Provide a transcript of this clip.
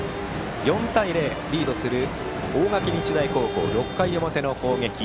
４対０、リードする大垣日大高校６回の表の攻撃。